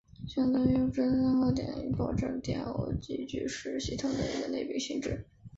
选择质心为参考点可以保证电偶极矩是系统的一个内禀性质。